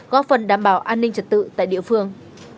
góp phần đảm bảo an ninh trật tự tại địa phương